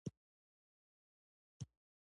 ویل کېږي، چي د ژبي لومړی ګرامر پانني لیکلی دئ.